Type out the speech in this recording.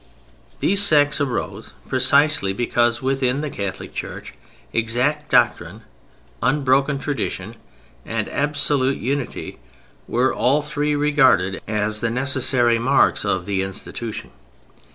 These sects arose precisely because within the Catholic Church (1) exact doctrine, (2) unbroken tradition, and (3) absolute unity, were, all three, regarded as the necessary marks of the institution.